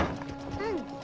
うん。